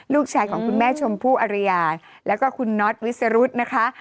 ลูกชายของคุณแม่ชมพู่อริยาแล้วก็คุณน็อตวิสรุธนะคะ